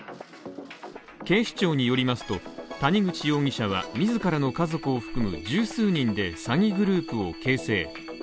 警視庁によりますと谷口容疑者は自らの家族を含む十数人で詐欺グループを形成。